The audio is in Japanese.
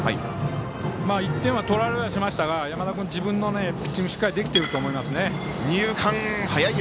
１点は取られはしましたが山田君、自分のピッチングしっかりできてると思います。